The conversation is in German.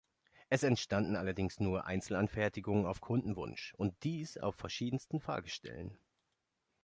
Es entstanden allerdings nur Einzelanfertigungen auf Kundenwunsch, und dies auf verschiedensten Fahrgestellen.